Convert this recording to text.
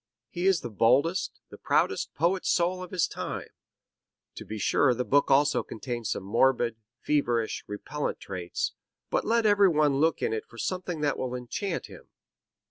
He is the boldest, the proudest poet soul of his time. To be sure the book also contains some morbid, feverish, repellant traits; but let everyone look in it for something that will enchant him.